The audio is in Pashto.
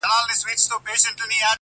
په سلا کي د وزیر هیڅ اثر نه وو-